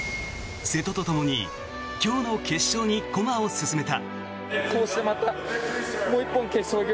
瀬戸とともに今日の決勝に駒を進めた。